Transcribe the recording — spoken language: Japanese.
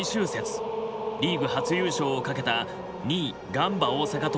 リーグ初優勝をかけた２位ガンバ大阪との直接対決。